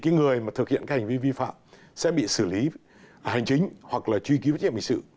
người thực hiện hành vi vi phạm sẽ bị xử lý hành chính hoặc truy cứu trí hành hình sự